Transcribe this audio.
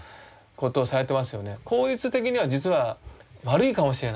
効率的には実は悪いかもしれない。